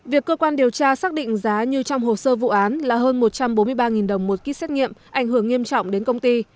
việc cơ quan điều tra xác định giá như trong hồ sơ vụ án là hơn một trăm bốn mươi ba đồng một ký xét nghiệm ảnh hưởng nghiêm trọng đến công ty